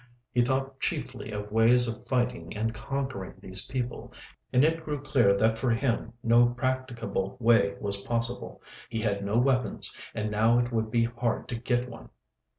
He thought chiefly of ways of fighting and conquering these people, and it grew clear that for him no practicable way was possible. He had no weapons, and now it would be hard to get one.